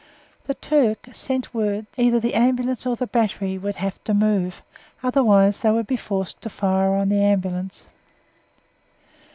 The Turk sent word that either the Ambulance or the battery would have to move, otherwise they would be forced to fire on the Ambulance.